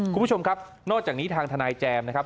คุณผู้ชมครับนอกจากนี้ทางทนายแจมนะครับ